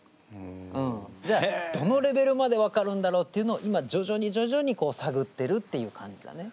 じゃあどのレベルまで分かるんだろうっていうのを今じょじょにじょじょに探ってるっていう感じだね。